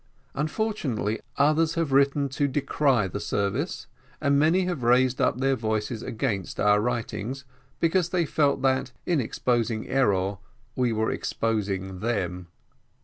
Unfortunately, others have written to decry the service, and many have raised up their voices against our writings, because they felt that, in exposing error, we were exposing them.